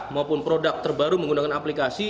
maupun produk terbaru menggunakan aplikasi